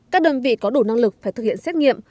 các đơn vị có đủ năng lực phải thực hiện xét nghiệm